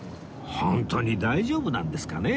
ホントに大丈夫なんですかね？